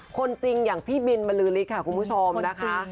คนจริงอย่างพี่บินบรือฤทธิ์ค่ะคุณผู้ชมนะคะ